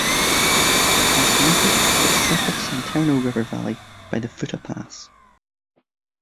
It is connected to the separate Santerno river valley by the Futa Pass.